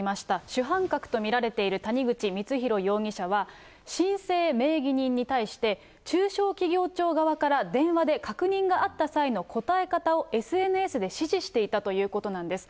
主犯格と見られている谷口光弘容疑者は、申請名義人に対して、中小企業庁側から電話で確認があった際の答え方を、ＳＮＳで指示していたということなんです。